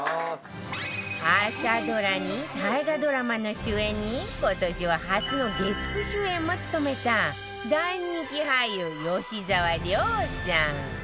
朝ドラに大河ドラマの主演に今年は初の月９主演も務めた大人気俳優吉沢亮さん